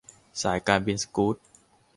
สายการบินสกู๊ต